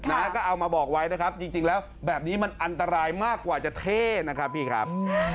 นะก็เอามาบอกไว้นะครับจริงแล้วแบบนี้มันอันตรายมากกว่าจะเท่นะครับพี่ครับ